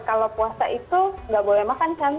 kalau puasa itu nggak boleh makan kan